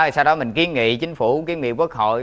sau đó mình kiên nghị chính phủ kiên nghị quốc hội